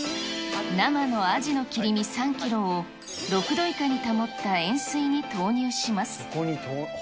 生のアジの切り身３キロを、６度以下に保った塩水に投入します。